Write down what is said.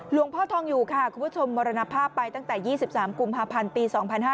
หลวงพ่อทองอยู่ค่ะคุณผู้ชมมรณภาพไปตั้งแต่๒๓กุมภาพันธ์ปี๒๕๕๙